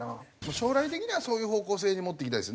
将来的にはそういう方向性に持っていきたいです。